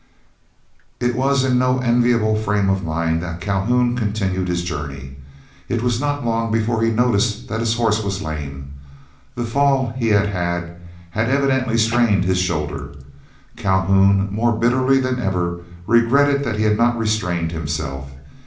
It was in no enviable frame of mind that Calhoun continued his journey. It was not long before he noticed that his horse was lame. The fall that he had had, had evidently strained his shoulder. Calhoun more bitterly than ever regretted that he had not restrained himself.